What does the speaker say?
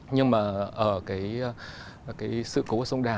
nhưng mà ở cái sự cố ở sông đà